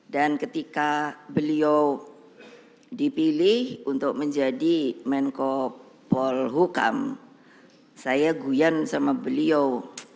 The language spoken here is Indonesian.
dan ketika beliau dipilih untuk menjadi menko polhukam saya guyan sama beliau